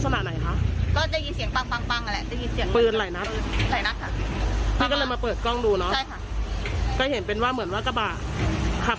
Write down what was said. มีคนนั่งหลังด้วยใช่ไหมครับ